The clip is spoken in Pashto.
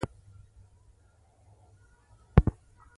ورسره تر غاړې ووتم.